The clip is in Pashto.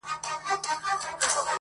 هم راته غم راکړه ته، او هم رباب راکه.